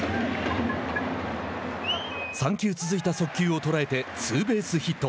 ３球続いた速球を捉えてツーベースヒット。